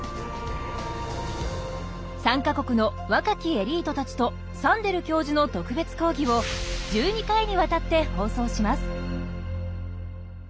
３か国の若きエリートたちとサンデル教授の特別講義を１２回にわたって放送します。